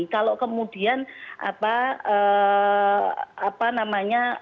kalau kemudian apa namanya